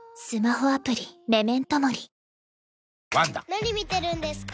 ・何見てるんですか？